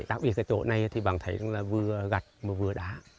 đặc biệt cái chỗ này thì bạn thấy là vừa gạch mà vừa đá